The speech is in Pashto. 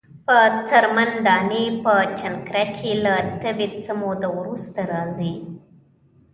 په څرمن دانی په جنکره کښی له تبی څه موده وروسته راځی۔